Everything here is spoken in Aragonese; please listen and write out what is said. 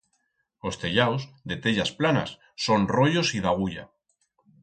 Os tellaus, de tellas planas, son royos y d'agulla.